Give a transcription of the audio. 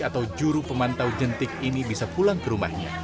atau juru pemantau jentik ini bisa pulang ke rumahnya